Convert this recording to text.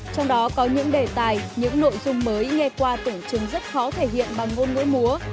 trong đó có những đề tài những nội dung mới nghe qua tổng chứng rất khó thể hiện bằng ngôn ngũi múa